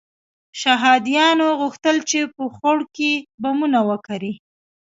شهادیانو غوښتل چې په خوړ کې بمونه وکري.